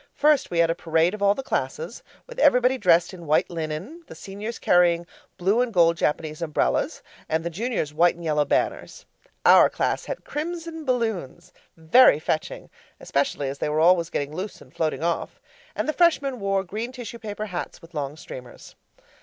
First we had a parade of all the classes, with everybody dressed in white linen, the Seniors carrying blue and gold Japanese umbrellas, and the juniors white and yellow banners. Our class had crimson balloons very fetching, especially as they were always getting loose and floating off and the Freshmen wore green tissue paper hats with long streamers.